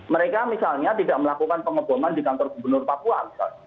mereka misalnya tidak melakukan pengeboman di kantor gubernur papua misalnya